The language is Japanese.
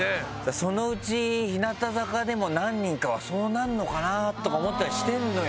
そのうち日向坂でも何人かはそうなるのかな？とか思ったりしてるのよ。